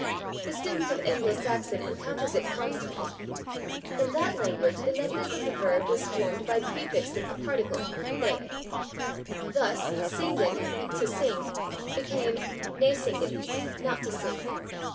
The student of Anglo Saxon encounters it constantly. In that language the negative of the verb was formed by prefixing a particle, /ne/. Thus, /singan/ (=/to sing/) became /ne singan/ (=/not to sing